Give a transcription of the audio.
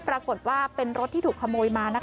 ปรากฏว่าเป็นรถที่ถูกขโมยมานะคะ